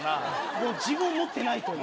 もう、自分を持ってないという。